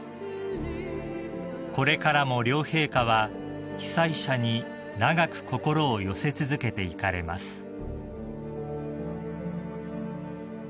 ［これからも両陛下は被災者に長く心を寄せ続けていかれます］